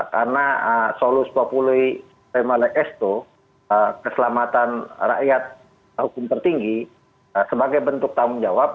karena solus populi tema lecesto keselamatan rakyat hukum tertinggi sebagai bentuk tanggung jawab